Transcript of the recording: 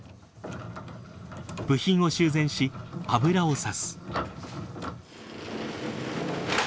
部品を修繕し油を差す。